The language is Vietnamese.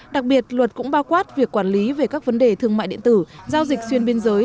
đặc biệt luật cũng bao quát việc quản lý về các vấn đề thương mại điện tử giao dịch xuyên biên giới